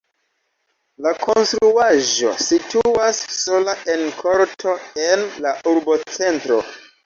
La konstruaĵo situas sola en korto en la urbocentro.